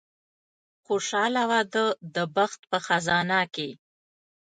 خوشاله واده د بخت په خزانه کې.